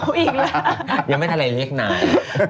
เอาอีกแล้วยังไม่ทันไรเรียกนาย